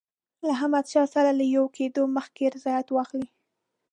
له احمدشاه سره له یو کېدلو مخکي رضایت واخلي.